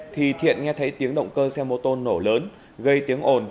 thì thiện nghe thấy tiếng động cơ xe mô tô nổ lớn gây tiếng ồn